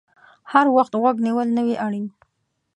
هر وخت غوږ نیول نه وي اړین